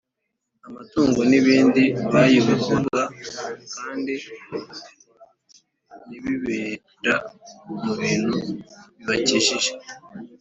amatungo n’ibindi bayoborwaga kandi n’ibibera mu bintu bibakikije